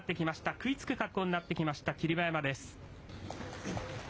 食いつく格好になってきました、霧馬山です。